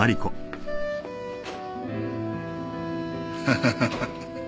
ハハハハ。